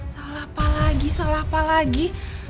salah apa lagi salah apa lagi